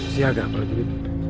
siaga pak juri